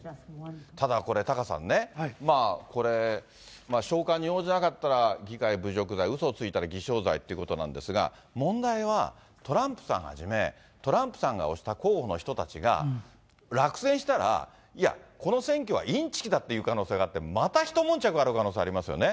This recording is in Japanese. ただこれ、タカさんね、これ、召喚に応じなかったら、議会侮辱罪、うそをついたら偽証罪ってことなんですが、問題は、トランプさんはじめ、トランプさんが推した候補の人たちが落選したら、いや、この選挙はインチキだっていう可能性あって、またひと悶着ある可能性ありますよね。